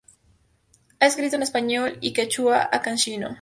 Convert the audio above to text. Ha escrito en español y quechua ancashino.